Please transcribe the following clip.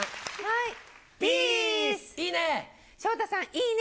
いいね。